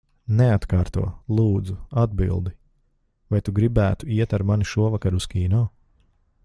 Neatkārto, lūdzu, atbildi. Vai tu gribētu iet ar mani šovakar uz kino?